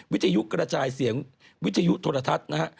วิทยุกระจายเสียงวิทยุโทรทัศน์นะฮะ